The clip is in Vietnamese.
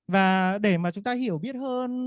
và để mà chúng ta hiểu biết hơn